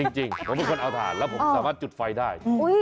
จริงผมเป็นคนเอาถ่านแล้วผมสามารถจุดไฟได้